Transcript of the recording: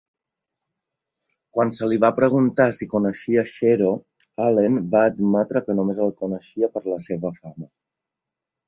Quan se li va preguntar si coneixia Shero, Allen va admetre que només el coneixia per la seva fama.